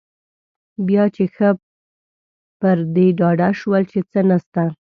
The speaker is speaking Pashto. بیا چې ښه پر دې ډاډه شول چې څه نشته.